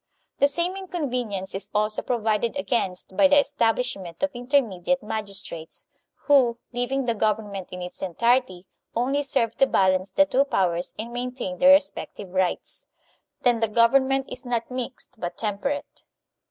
The same inconvenience is also provided against by the establishment of intermediate magistrates, who, leav ing the government in its entirety, only serve to balance the two powers and maintain their respective rights. Then the government is not mixed, but temperate.